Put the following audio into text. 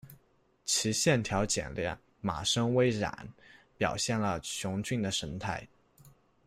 其线条简练，马身微染，表现了雄骏的神态。